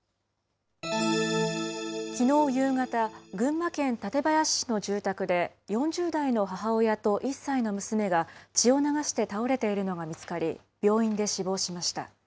きのう夕方、群馬県館林市の住宅で、４０代の母親と１歳の娘が血を流して倒れているのが見つかり、病院で死亡しました。